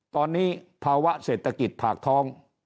ตอนนี้ภาวะเศรษฐกิจผากท้อง